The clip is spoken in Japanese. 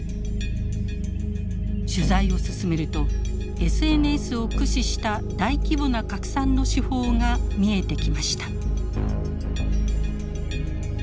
取材を進めるとＳＮＳを駆使した大規模な拡散の手法が見えてきました。